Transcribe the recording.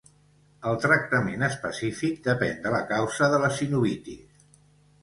El tractament específic depèn de la causa de la sinovitis.